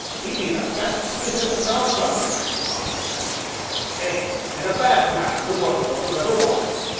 "'E be the best smith in the South Country!" nodded Simon. "Ay, an' a bad man to work for as ever was!"